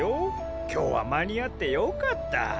今日は間に合ってよかった。